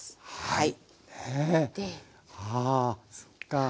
はい。